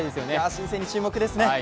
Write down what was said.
新星に注目ですね。